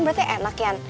berarti enak ya